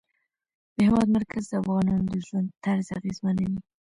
د هېواد مرکز د افغانانو د ژوند طرز اغېزمنوي.